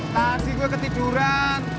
tadi gue ketiduran